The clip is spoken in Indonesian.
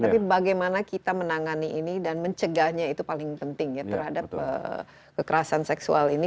tapi bagaimana kita menangani ini dan mencegahnya itu paling penting ya terhadap kekerasan seksual ini